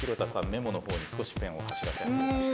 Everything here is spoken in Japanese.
メモの方に少しペンを走らせました。